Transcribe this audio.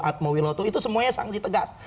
atmawiloto itu semuanya sanksi tegas